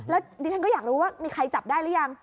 แล้วดิฉันก็อยากรู้ว่ามีใครจับได้หรือยัง